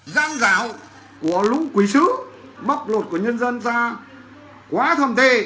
giang rào của lũ quỷ sứ bóc lột của nhân dân ra quá thầm thề